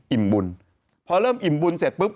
บุญพอเริ่มอิ่มบุญเสร็จปุ๊บ